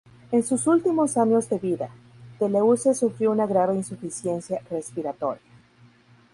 En sus últimos años de vida, Deleuze sufrió una grave insuficiencia respiratoria.